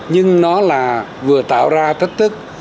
nhưng nó là vừa tạo ra thách thức